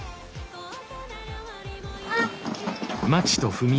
あっ。